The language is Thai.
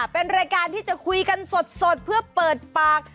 เป็นรายการที่จะคุยกันสดเพื่อเปิดปาก